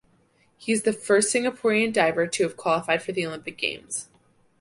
He is the first Singaporean diver to have qualified for the Olympic Games.